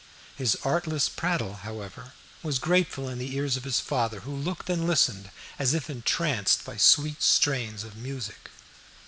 His artless prattle, however, was grateful in the ears of his father, who looked and listened as if entranced by sweet strains of music.